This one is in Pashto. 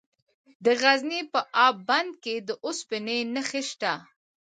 د غزني په اب بند کې د اوسپنې نښې شته.